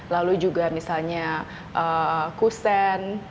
lalu juga misalnya kusen